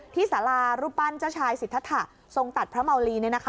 ที่ศาลารูปั้นเจ้าชายสิรรษรถะทรงตัดพระมาุรีนี่นะคะ